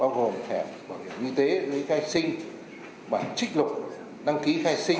bao gồm thẻ bảo hiểm y tế giấy khai sinh bản trích lục đăng ký khai sinh